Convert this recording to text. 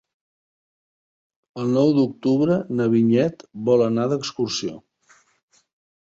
El nou d'octubre na Vinyet vol anar d'excursió.